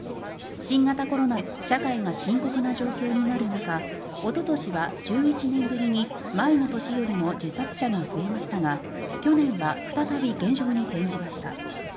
新型コロナで社会が深刻な状況になる中おととしは１１年ぶりに前の年よりも自殺者が増えましたが去年は再び減少に転じました。